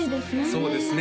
そうですね